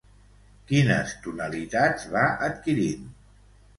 Quines tonalitats va adquirint?